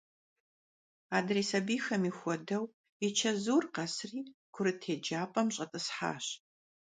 Adrêy sabiyxemi xuedeu, yi çezur khesri, kurıt yêcap'em ş'et'ıshaş.